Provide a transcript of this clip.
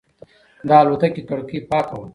د الوتکې کړکۍ پاکه وه.